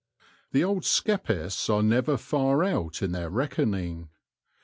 The old skeppists are never far out in their reckoning.